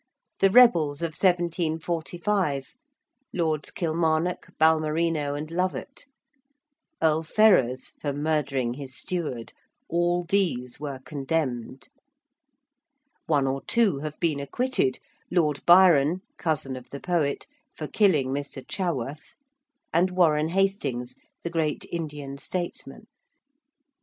the rebels of 1745, Lords Kilmarnock, Balmerino and Lovat: Earl Ferrers, for murdering his steward; all these were condemned. One or two have been acquitted, Lord Byron cousin of the poet for killing Mr. Chaworth: and Warren Hastings, the great Indian statesman.